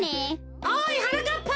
おいはなかっぱ。